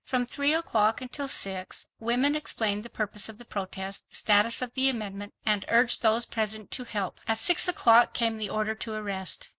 From three o'clock until six, women explained the purpose of the protest, the status of the amendment, and urged those present to help. At six o'clock came the order to arrest.